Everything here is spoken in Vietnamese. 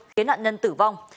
khiến nạn nhân tử vong